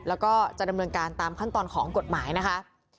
แล้วก็จะดำเนินการตามขั้นตอนของกฎหมายนะคะ